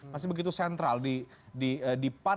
masih begitu sentral di pan